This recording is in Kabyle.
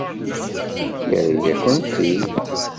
Yerra-yakent-t-id.